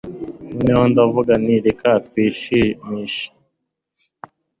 noneho ndavuga nti, reka twishimishe